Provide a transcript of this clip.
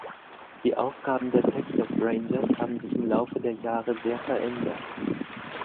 Die Aufgaben der Texas Rangers haben sich im Laufe der Jahre sehr verändert.